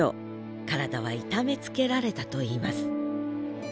体は痛めつけられたといいます。